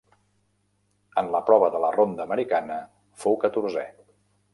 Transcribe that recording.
En la prova de la ronda americana fou catorzè.